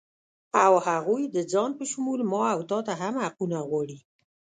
او هغوی د ځان په شمول ما و تاته هم حقونه غواړي